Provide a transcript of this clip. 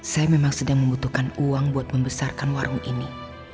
saya memang sedang membutuhkan uang buat membesarkan warung ini